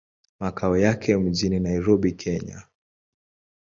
Makao yake mjini Nairobi, Kenya.